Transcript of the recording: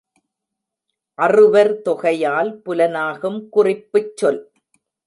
அறுவர் தொகையால் புலனாகும் குறிப்புச் சொல்.